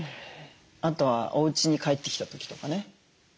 あとはおうちに帰ってきた時とかね